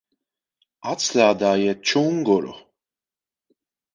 Atstrādājiet čunguru!